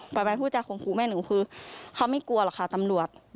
ประมาณผู้จาข่มขู่แม่หนูคือเขาไม่กลัวหรอกค่ะตำรวจ